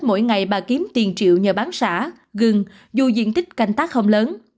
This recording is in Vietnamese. mỗi ngày bà kiếm tiền triệu nhờ bán xã gừng dù diện tích canh tác không lớn